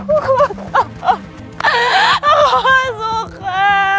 aku gak suka